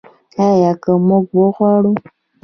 آیا که موږ وغواړو؟